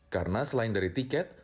karena selain dari tiket